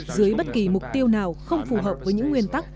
dưới bất kỳ mục tiêu nào không phù hợp với những nguyên tắc